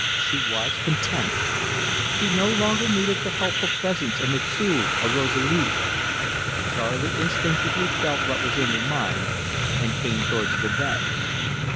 She was content. She no longer needed the helpful presence of M'sieu' or Rosalie. Charley instinctively felt what was in her mind, and came towards the bed.